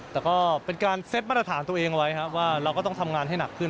แต่ก็เป็นการเซ็ตมาตรฐานตัวเองไว้ครับว่าเราก็ต้องทำงานให้หนักขึ้น